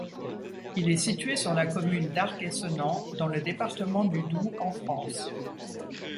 Il est situé sur la commune d'Arc-et-Senans dans le département du Doubs en France.